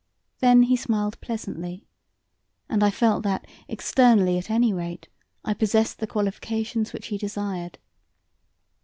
Then he smiled pleasantly, and I felt that externally at any rate I possessed the qualifications which he desired.